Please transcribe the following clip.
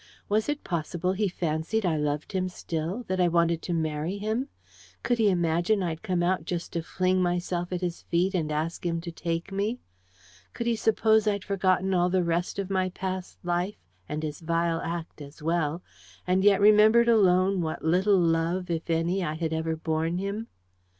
Was it possible he fancied I loved him still that I wanted to marry him? Could he imagine I'd come out just to fling myself at his feet and ask him to take me? Could he suppose I'd forgotten all the rest of my past life, and his vile act as well, and yet remembered alone what little love, if any, I ever had borne him?